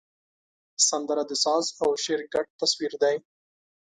سندره د ساز او شعر ګډ تصویر دی